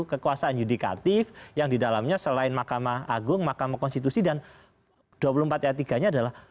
kekuasaan yudikatif yang didalamnya selain mahkamah agung mahkamah konstitusi dan dua puluh empat ayat tiga nya adalah